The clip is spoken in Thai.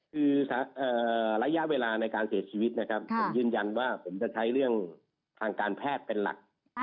คือระยะเวลาในการเสียชีวิตนะครับผมยืนยันว่าผมจะใช้เรื่องทางการแพทย์เป็นหลัก